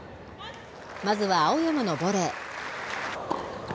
まずは青山のボレー。